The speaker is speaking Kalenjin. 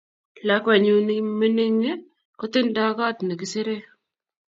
Lakwenyu ninmingine kotinda kot nekisire .